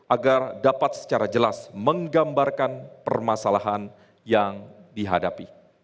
agar dapat secara jelas menggambarkan permasalahan yang dihadapi